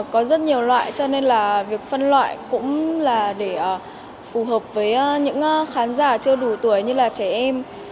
có rất nhiều loại cho nên là việc phân loại cũng là để phù hợp với những khán giả chưa đủ tuổi như là trẻ em